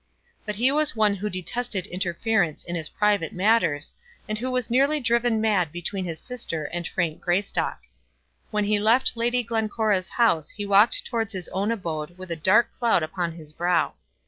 But he was one who detested interference in his private matters, and who was nearly driven mad between his sister and Frank Greystock. When he left Lady Glencora's house he walked towards his own abode with a dark cloud upon his brow.